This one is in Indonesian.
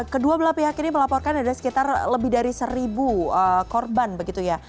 kedua belah pihak ini melaporkan ada sekitar lebih dari seribu korban begitu ya